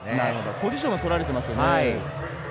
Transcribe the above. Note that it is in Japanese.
ポジションがとられてますよね。